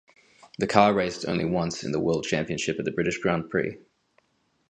The car raced only once in the World Championship at the British Grand Prix.